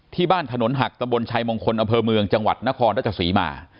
ที่บ้านถนนหักตะบลชัยมงคลอำเภอเมืองจังหวัดธนธสีมา